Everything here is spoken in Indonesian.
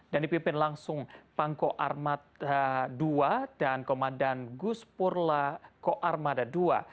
dan dipimpin langsung pangko armada ii dan komandan gus purla ko armada ii